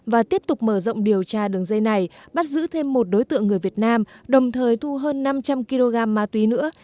và tiếp tục mở rộng điều tra đường dây này bắt giữ thêm một đối tượng người việt nam đồng thời thu hơn năm trăm linh kg ma túy nữa